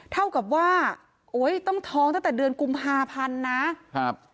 เท่ากับว่าโอ้ยต้องท้องตั้งแต่เดือนกุมภาพันธ์นะครับ